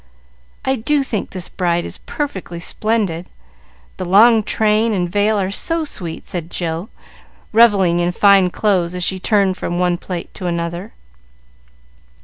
"I do think this bride is perfectly splendid, the long train and veil are so sweet," said Jill, revelling in fine clothes as she turned from one plate to another.